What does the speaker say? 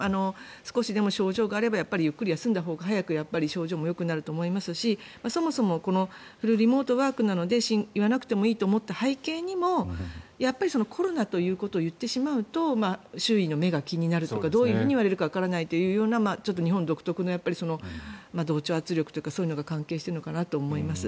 少しでも症状があればゆっくり休んだほうが早く症状もよくなると思いますしそもそもフルリモートワークなので言わなくてもいいと思った背景にもやっぱりコロナということを言ってしまうと周囲の目が気になるとかどういうふうに言われるかわからないというような日本独特の同調圧力というか同調圧力とかそういうのが関係していると思います。